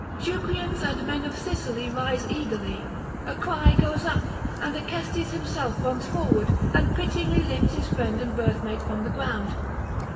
Teucrians and men of Sicily rise eagerly; a cry goes up, and Acestes himself runs forward, and pityingly lifts his friend and birthmate from the ground.